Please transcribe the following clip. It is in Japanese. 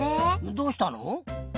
どうしたの？